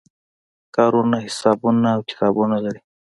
کارونه حسابونه او کتابونه لري.